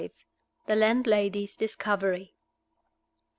THE LANDLADY'S DISCOVERY.